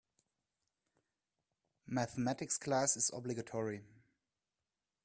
Mathematics class is obligatory.